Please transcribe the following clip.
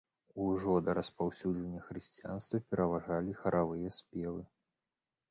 Ужо да распаўсюджвання хрысціянства пераважалі харавыя спевы.